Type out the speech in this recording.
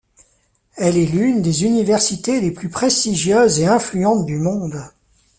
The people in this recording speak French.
Elle est l'une des universités les plus prestigieuses et influentes du monde.